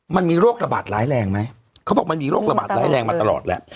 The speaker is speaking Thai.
มันมีโรคระบาดร้ายแรงไหมเขาบอกมันมีโรคระบาดร้ายแรงมาตลอดแล้ว